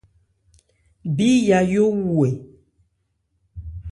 Bí Yayó wu ɛ ?